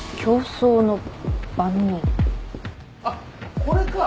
あっこれか。